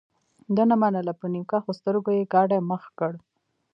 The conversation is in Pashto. ده نه منله په نیم کښو سترګو یې ګاډۍ مخ کړه.